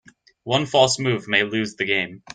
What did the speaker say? One false move may lose the game.